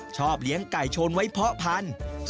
ชอบเลี้ยงไก่ชนไว้เพาะพันธุ์